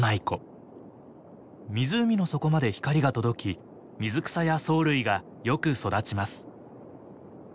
湖の底まで光が届き水草や藻類がよく育ちます。